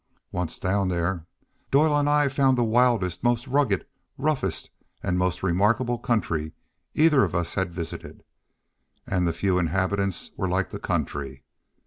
Once down there, Doyle and I found the wildest, most rugged, roughest, and most remarkable country either of us had visited; and the few inhabitants were like the country.